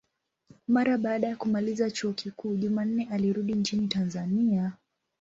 Mara baada ya kumaliza chuo kikuu, Jumanne alirudi nchini Tanzania.